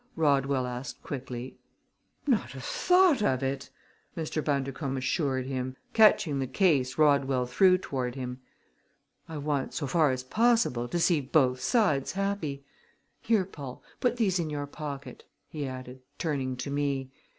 Rodwell asked quickly. "Not a thought of it!" Mr. Bundercombe assured him, catching the case Rodwell threw toward him. "I want, so far as possible, to see both sides happy. Here, Paul; put these in your pocket!" he added, turning to me.